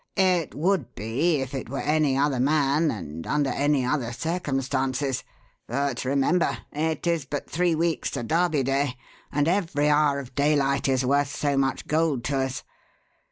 "It would be if it were any other man and under any other circumstances. But remember! It is but three weeks to Derby Day and every hour of daylight is worth so much gold to us.